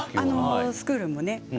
スクールも。